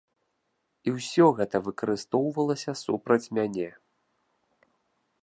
І ўсё гэта выкарыстоўвалася супраць мяне.